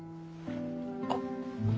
あっ。